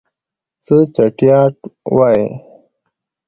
څه چټياټ وايي.